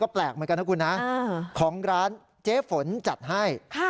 แปลกเหมือนกันนะคุณนะของร้านเจ๊ฝนจัดให้